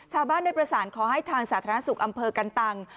ชาวบ้านได้ประสานขอให้ทางสาธารณสุขอำเภอกันตัง